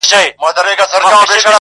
لكه سپوږمۍ چي ترنده ونيسي.